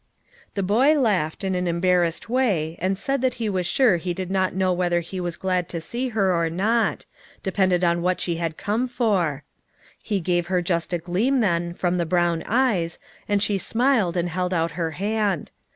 The boy laughed, in an embarrassed way, and 56 LITTLE FISHERS : AND THEIR NETS. said he was sure he did not know whether he was glad to see her or not: depended on what she had come for. He gave her just a gleam then from the brown eyes, and she smiled and held out her hand.